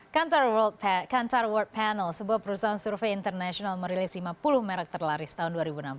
kantor world panel sebuah perusahaan survei internasional merilis lima puluh merek terlaris tahun dua ribu enam belas